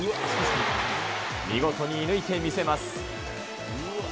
見事に射抜いてみせます。